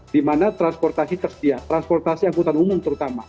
di mana transportasi tersedia transportasi angkutan umum terutama